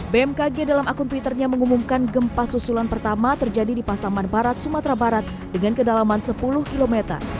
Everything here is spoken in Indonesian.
bmkg dalam akun twitternya mengumumkan gempa susulan pertama terjadi di pasaman barat sumatera barat dengan kedalaman sepuluh km